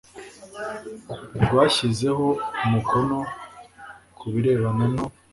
rwashyizeho umukono ku birebana no